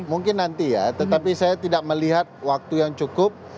mungkin nanti ya tetapi saya tidak melihat waktu yang cukup